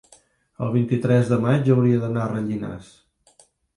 el vint-i-tres de maig hauria d'anar a Rellinars.